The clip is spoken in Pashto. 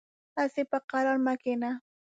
هسې په قرار مه کېنه .